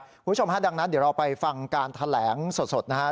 คุณผู้ชมฮะดังนั้นเดี๋ยวเราไปฟังการแถลงสดนะฮะ